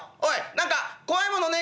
何か怖いものねえか？」。